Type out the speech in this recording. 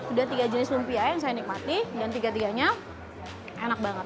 udah tiga jenis lumpia yang saya nikmati dan tiga tiganya enak banget